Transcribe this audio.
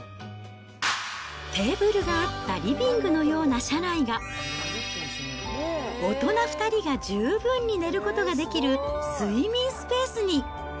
テーブルがあったリビングのような車内が、大人２人が十分に寝ることができる睡眠スペースに。